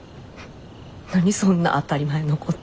何そんな当たり前のこと。